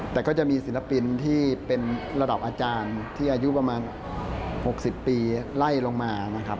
แต่ก็จะมีศิลปินที่เป็นระดับอาจารย์ที่อายุประมาณ๖๐ปีไล่ลงมานะครับ